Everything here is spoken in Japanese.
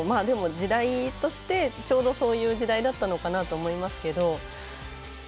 でも、時代としてちょうどそういう時代だったのかなと思いますけど。